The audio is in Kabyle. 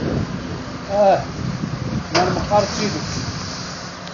Ah, mer meqqar d tidet!